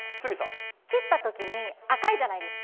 切ったときに、赤いじゃないですか。